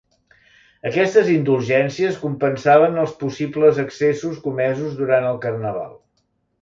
Aquestes indulgències compensaven els possibles excessos comesos durant el Carnaval.